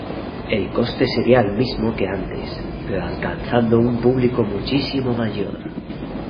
El coste sería el mismo que antes, pero alcanzando un público muchísimo mayor.